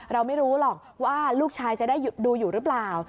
เราไม่รู้หรอกว่าลูกชายจะได้ดูอยู่หรือเปล่า